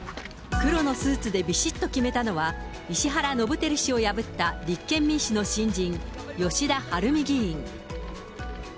黒のスーツでびしっと決めたのは、石原伸晃氏を破った立憲民主の新人、吉田晴美議員。